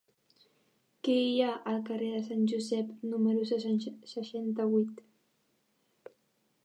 Què hi ha al carrer de Sant Josep número seixanta-vuit?